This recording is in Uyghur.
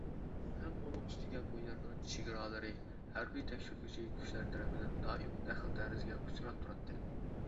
ھەم ئۇنىڭ ئۈستىگە بۇ يەرنىڭ چېگرالىرى ھەربىي تەكشۈرگۈچى كۈچلەر تەرىپىدىن دائىم دەخلى-تەرۇزغا ئۇچراپ تۇراتتى.